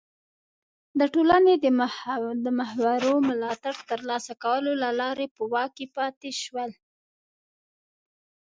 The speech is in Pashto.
د ټولنې د مخورو ملاتړ ترلاسه کولو له لارې په واک کې پاتې شول.